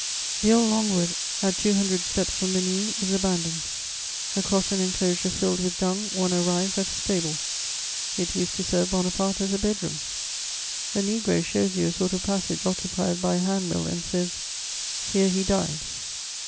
The old Longwood, at two hundred steps from the new, is abandoned. Across an enclosure filled with dung, one arrives at a stable; it used to serve Bonaparte as a bed room. A negro shows you a sort of passage occupied by a hand mill and says: "Here he died."